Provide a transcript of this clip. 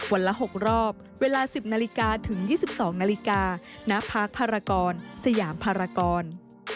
ละ๖รอบเวลา๑๐นาฬิกาถึง๒๒นาฬิกาณพาร์คภารกรสยามภารกร